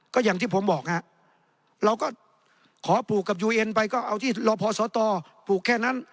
ก็อย่างที่ผมบอกฮะเราก็ขอปลูกกับยูเอ็นไปก็เอาที่รอพอสตปลูกแค่นั้น